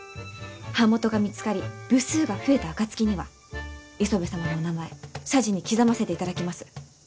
版元が見つかり部数が増えた暁には磯部様のお名前謝辞に刻ませていただきます。